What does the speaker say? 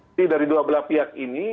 jadi dari dua belah pihak ini